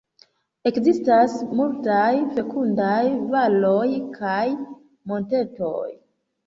Ekzistas multaj fekundaj valoj kaj montetoj.